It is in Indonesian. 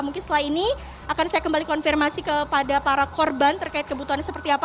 mungkin setelah ini akan saya kembali konfirmasi kepada para korban terkait kebutuhannya seperti apa